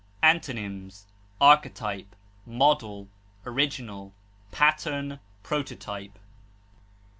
Antonyms: archetype, model, original, pattern, prototype.